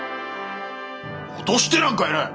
脅してなんかいない！